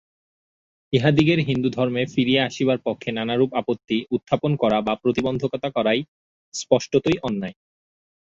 ইহাদিগের হিন্দুধর্মে ফিরিয়া আসিবার পক্ষে নানারূপ আপত্তি উত্থাপন করা বা প্রতিবন্ধকতা করা স্পষ্টতই অন্যায়।